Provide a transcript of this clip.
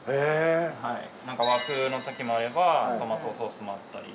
和風のときもあればトマトソースもあったり。